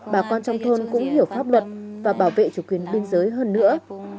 bà con trong thôn cũng hiểu pháp luật và bảo vệ chủ quyền biên giới hơn nữa